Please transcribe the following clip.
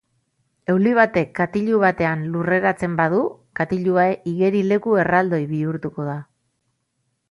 Euli batek katilu batean lurreratzen badu, katilua igerileku erraldoi bihurtuko da.